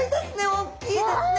大きいですね！